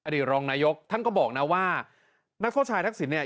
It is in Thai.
รองนายกท่านก็บอกนะว่านักโทษชายทักษิณเนี่ย